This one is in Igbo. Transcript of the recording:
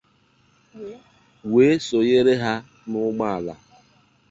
wee sònyere ha n'ụgbọala.